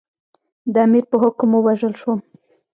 د امیر په حکم ووژل شوم.